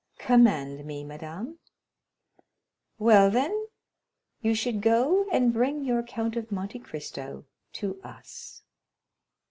"Command me, madame." "Well, then, you should go and bring your Count of Monte Cristo to us."